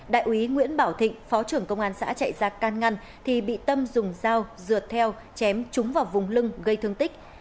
đại úy nguyễn bảo thịnh phó trưởng công an xã chạy ra can ngăn thì bị tâm dùng dao dựa theo chém trúng vào vùng lưng gây thương tích